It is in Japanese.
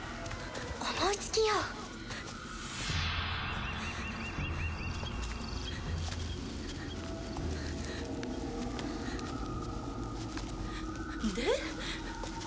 思いつきよで？